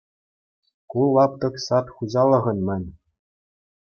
Ку лаптӑк «Сад» хуҫалӑхӑн-мӗн.